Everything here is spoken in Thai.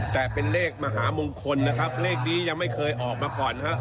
แต่เป็นเลขมหามงคลนะครับเลขนี้ยังไม่เคยออกมาก่อนนะครับ